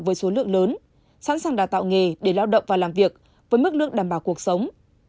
với số lượng lớn sẵn sàng đào tạo nghề để lao động và làm việc với mức lương đảm bảo cuộc sống